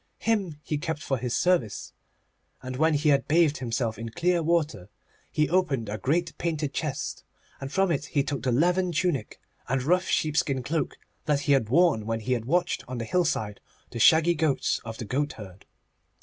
Him he kept for his service, and when he had bathed himself in clear water, he opened a great painted chest, and from it he took the leathern tunic and rough sheepskin cloak that he had worn when he had watched on the hillside the shaggy goats of the goatherd.